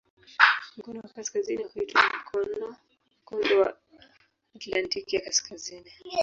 Mkono wa kaskazini huitwa "Mkondo wa Atlantiki ya Kaskazini".